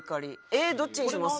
えーどっちにします？